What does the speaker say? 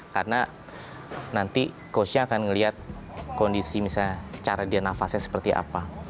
karena nanti coachnya akan melihat kondisi misalnya cara dia nafasnya seperti apa